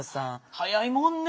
早いもんね。